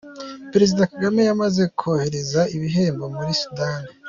Perezida Kagame yamaze kohereza ibihembo muri Sudan.